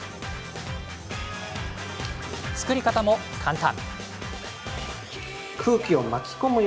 作り方も簡単。